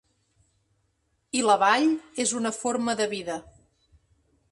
I la vall és una forma de vida.